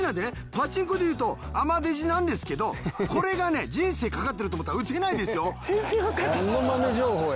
パチンコでいうと甘デジなんですけどこれがね人生かかってると思ったら打てないですよ。